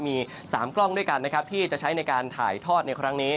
มี๓กล้องด้วยกันนะครับที่จะใช้ในการถ่ายทอดในครั้งนี้